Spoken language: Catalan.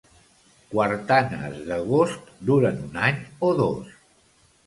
Quartanes d'agost duren un any o dos.